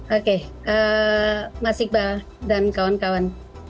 oke mas iqbal dan kawan kawan